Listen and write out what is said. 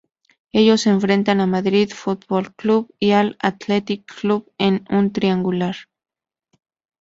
Ellos se enfrentaron al Madrid Foot-Ball Club y al Athletic Club en un triangular.